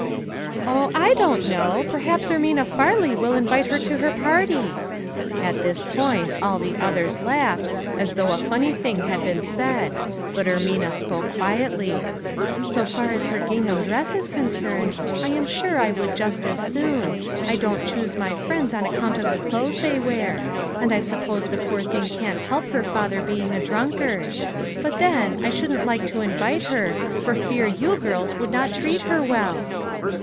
" O, I don't know. Perhaps Ermina Farley will invite her to her party." At this point, all the others laughed, as though a funny thing had been said, but Ermiiia spoke quietly :" So far as her gingham dress is concerned, I am sure I would just as soon. I don't choose my friends on account of the clothes they wear; and I sup pose the poor thing cannot help her father being a drunkard ; but then, I shouldn't like to invite A SABBATH TO REMEMBER. 153 her, for fear you girls would not treat her well."